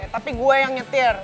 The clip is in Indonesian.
tapi gue yang nyetir